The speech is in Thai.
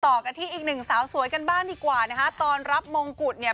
ต่อกันที่อีกหนึ่งสาวสวยกันบ้างดีกว่านะคะตอนรับมงกุฎเนี่ย